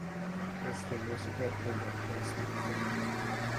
Testi e musiche degli Agnostic Front.